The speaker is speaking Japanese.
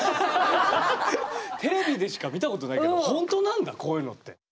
テレビでしか見たことないけどほんとなんだこういうのって。